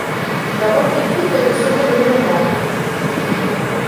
Leur objectif est de sauver le monument.